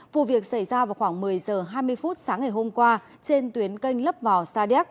vụ việc xảy ra vào khoảng một mươi h hai mươi phút sáng ngày hôm qua trên tuyến canh lấp vò sa điếc